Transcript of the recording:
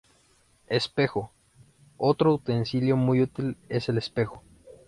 Espejo: Otro utensilio muy útil es el espejo.